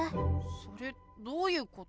それどういうこと？